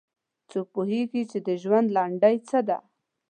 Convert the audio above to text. څوک پوهیږي چې د ژوند لنډۍ څه ده